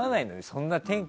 そんな天気